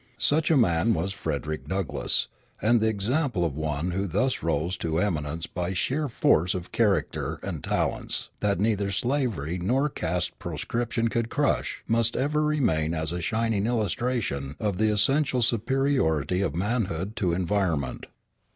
Such a man was Frederick Douglass, and the example of one who thus rose to eminence by sheer force of character and talents that neither slavery nor caste proscription could crush must ever remain as a shining illustration of the essential superiority of manhood to environment.